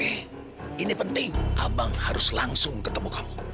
eh ini penting abang harus langsung ketemu kamu